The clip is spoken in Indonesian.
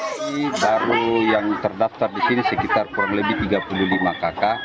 masih baru yang terdaftar di sini sekitar kurang lebih tiga puluh lima kakak